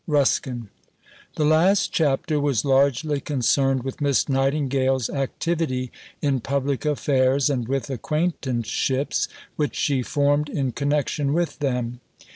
RUSKIN. The last chapter was largely concerned with Miss Nightingale's activity in public affairs and with acquaintanceships which she formed in connection with them.